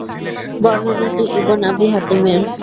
বর্ণনাটি Ibn Abi হাতিমের।